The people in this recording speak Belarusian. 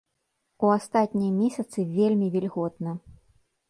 У астатнія месяцы вельмі вільготна.